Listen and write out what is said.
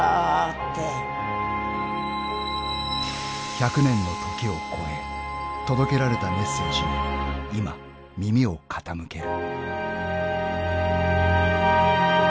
［１００年の時をこえ届けられたメッセージに今耳を傾ける］